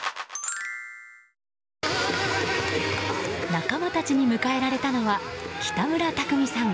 仲間たちに迎えられたのは北村匠海さん